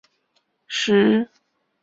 冰河中的冰混合有尘土和岩石。